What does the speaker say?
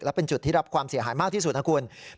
เป็นจุดที่รับความเสียหายมากที่สุดนะคุณ